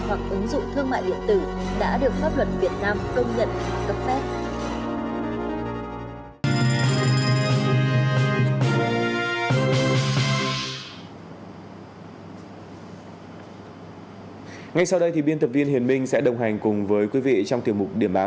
ở ngay sau đây thì biên tập viên hiền minh sẽ đồng hành cùng với quý vị trong tiêu mục điểm báo